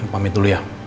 pamit dulu ya